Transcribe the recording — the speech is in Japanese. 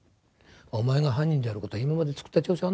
お前が犯人である事は今まで作った調書あるだろ。